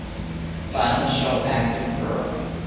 Find the show ActivePerl